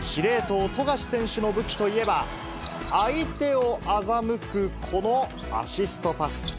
司令塔、富樫選手の武器といえば、相手を欺くこのアシストパス。